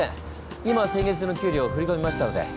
今先月の給料振り込みましたので。